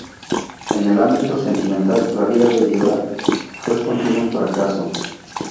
En el ámbito sentimental, la vida de Jorah fue un continuo fracaso.